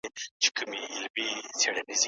زده کړه د ژوند په هر پړاو کي اړینه ده.